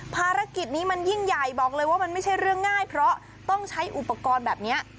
ภารกิจนี้มันยิ่งใหญ่บอกเลยว่ามันไม่ใช่เรื่องง่ายเพราะต้องใช้อุปกรณ์แบบนี้